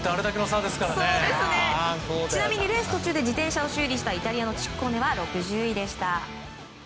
ちなみにレース途中で自転車を修理したイタリアのチッコーネは６０位でした。